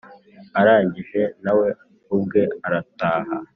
arangije nawe ubwe arataha.